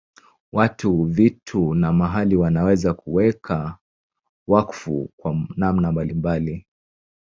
Watu, vitu na mahali wanaweza kuwekwa wakfu kwa namna mbalimbali.